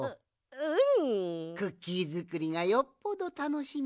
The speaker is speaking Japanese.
うん。